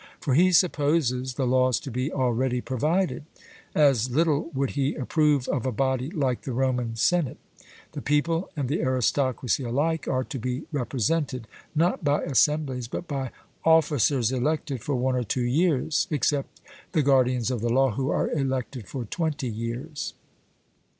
For he supposes the laws to be already provided. As little would he approve of a body like the Roman Senate. The people and the aristocracy alike are to be represented, not by assemblies, but by officers elected for one or two years, except the guardians of the law, who are elected for twenty years.